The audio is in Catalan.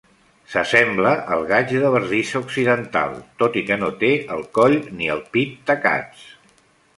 S'assembla al gaig de bardissa occidental, tot i que no té el coll ni el pit tacats.